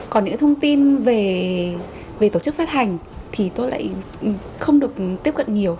còn những thông tin về tổ chức phát hành thì tôi lại không được tiếp cận nhiều